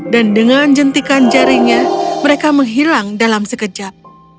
dan dengan jentikan jarinya mereka menghilang dalam sekejap